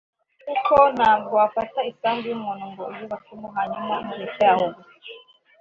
kuko ntwabwo wafata isambu y’umuntu ngo uyubakemo hanyuma umurekere aho gusa